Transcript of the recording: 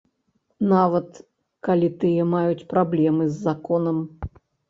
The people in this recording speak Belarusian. Нават калі тыя маюць праблемы з законам.